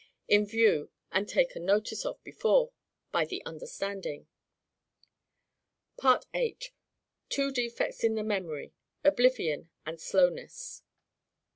in view, and taken notice of before, by the understanding. 8. Two defects in the Memory, Oblivion and Slowness.